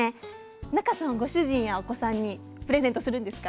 仲さん、ご主人やお子さんにプレゼントするんですか？